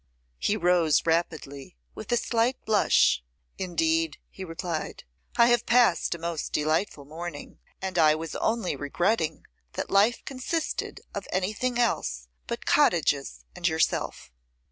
He rose rapidly, with a slight blush. 'Indeed,' he replied, 'I have passed a most delightful morning, and I was only regretting that life consisted of anything else but cottages and yourself.